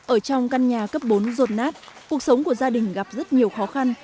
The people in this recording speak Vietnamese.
ở trong căn nhà cấp bốn rột nát cuộc sống của gia đình gặp rất nhiều khó khăn